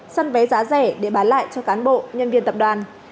săn vé giá rẻ để bán lại cho cán bộ nhân viên tập đoàn